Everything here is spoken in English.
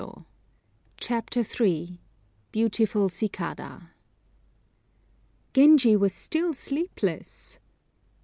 ] CHAPTER III BEAUTIFUL CICADA Genji was still sleepless!